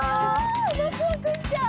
ワクワクしちゃう！